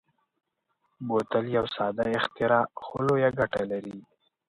بوتل یو ساده اختراع خو لویه ګټه لري.